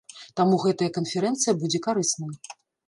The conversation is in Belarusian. Таму гэтая канферэнцыя будзе карыснай.